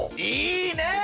いいねぇ！